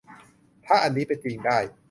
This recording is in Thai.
ถ้าอันนี้เป็นจริงได้